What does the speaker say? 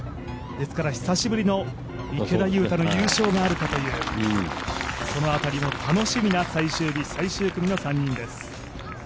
ですから久しぶりの池田勇太の優勝があるかというその辺りも楽しみな最終日最終組の３人です。